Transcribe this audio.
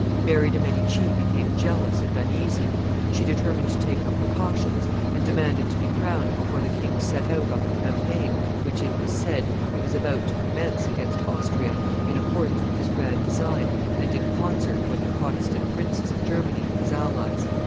Mary de Medici became jealous and uneasy. She determined to take her precautions, and demanded to be crowned before the king set out on the campaign which, it was said, he was about to commence against Austria in accordance with his grand design and in concert with the Protestant princes of Germany, his allies.